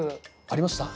ありました？